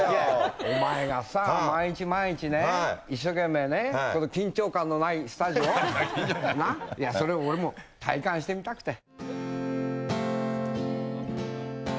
お前がさ、毎日毎日ね、一生懸命ね、この緊張感のないスタジオ、な、それを俺も体感してみたくて。